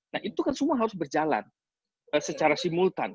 nah itu kan semua harus berjalan secara simultan